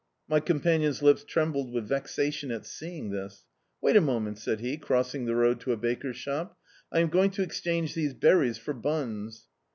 My companion's lips trembled with vex ation at seeing this. "Wait a moment," said he, crossing the road to a baker's shop— "I am going to exchange these ber ries for buns."